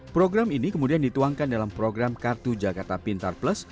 program ini kemudian dituangkan dalam program kartu jakarta pintar plus